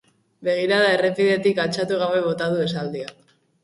Begirada errepidetik altxatu gabe bota du esaldia.